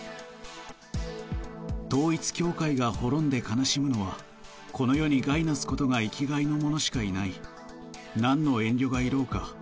統一教会が滅んで悲しむのはこの世に害なすことが生きがいの者しかいないなんの遠慮がいろうか？